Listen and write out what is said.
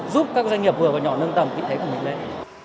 giúp các doanh nghiệp vừa và nhỏ nâng tầm vị thế của mình lên